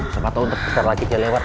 semua tahun terpisah lagi dia lewat lho